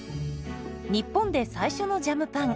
日本で最初のジャムパン。